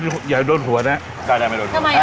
กล้าจะไม่โดนหัวทำไมล่ะครับ